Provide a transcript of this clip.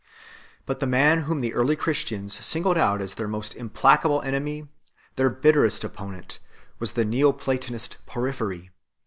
But the man whom the early Christians singled out us their most implacable enemy, their bitterest opponent, was the Neo Platonist Porphyry.